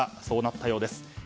そうなったようです。